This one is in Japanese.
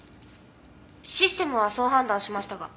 システムはそう判断しましたが。